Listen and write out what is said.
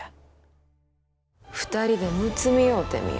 ２人でむつみ合うてみよ。